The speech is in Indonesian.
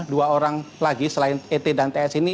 dua orang lagi selain et dan ts ini